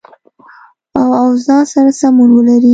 او اوضاع سره سمون ولري